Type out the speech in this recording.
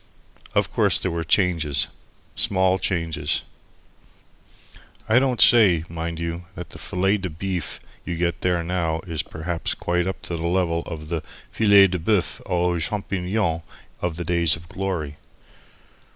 Of course there were changes, small changes. I don't say, mind you, that the fillet de beef that you get there now is perhaps quite up to the level of the filet de boeufs aux champignons of the days of glory.